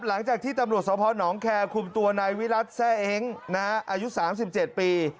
หลังจากที่ตำรวจสพนแคร์คุมตัวนายวิรัติแซ่เอ็งอายุ๓๗ปี